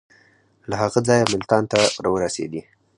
له هغه ځایه ملتان ته ورسېدی.